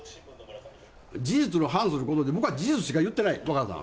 事実に反する、僕は事実しか言ってない。